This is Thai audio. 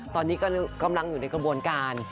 ตอนนี้กำลังอยู่ในกระบวนการ